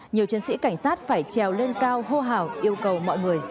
nhiều chiến sĩ cảnh sát phải trèo lên cao hô hào yêu cầu mọi người giữ trật tự